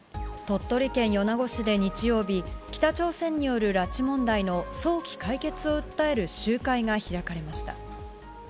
鳥取県米子市で日曜日、北朝鮮による拉致問題の早期解決を訴える集会が開かれました。